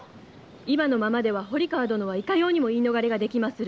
今のままでは堀川殿はいかようにも言い逃れができまする。